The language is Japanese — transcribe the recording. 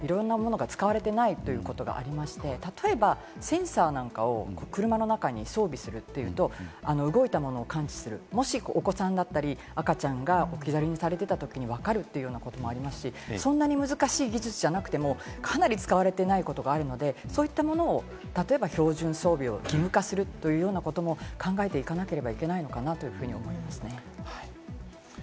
私、自動車会社の人にお話を伺ったところ、まだ技術としていろんなものが使われてないということがありまして、例えばセンサーなんかを車の中に装備するというと、動いたものを感知する、もしお子さんだったり、赤ちゃんが置き去りにされたときも分かるということもありますし、そんなに難しい技術じゃなくても、かなり使われてないことがあるので、そういったものを義務化するというようなことも考えていかなけれ